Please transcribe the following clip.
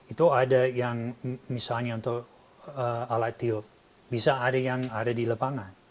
itu ada yang misalnya untuk alat tiup bisa ada yang ada di lapangan